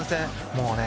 もうね